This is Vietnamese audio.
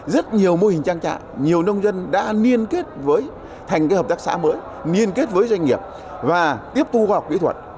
rất nhiều mô hình trang trại nhiều nông dân đã liên kết với thành hợp tác xã mới liên kết với doanh nghiệp và tiếp thu khoa học kỹ thuật